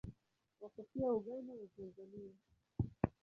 Wako pia Uganda na Tanzania.